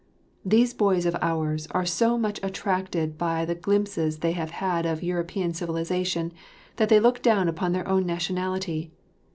These boys of ours are so much attracted by the glimpses they have had of European civilisation, that they look down upon their own nationality.